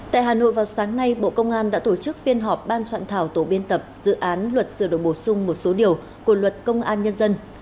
tại hà nội vào sáng nay bộ công an đã tổ chức phiên họp ban soạn thảo tổ biên tập dự án luật sửa đổi bổ sung một số điều của luật công an nhân dân